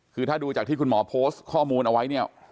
คือถ้าดูจากที่คุณหมอโพสต์ข้อมูลเอาไว้เนี่ย